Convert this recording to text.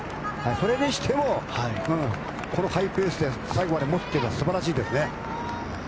それにしてもこのハイペースで最後まで持つというのは素晴らしいですね。